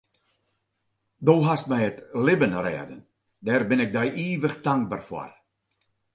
Do hast my it libben rêden, dêr bin ik dy ivich tankber foar.